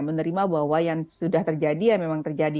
menerima bahwa yang sudah terjadi ya memang terjadi